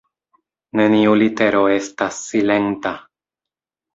Neniu litero estas silenta.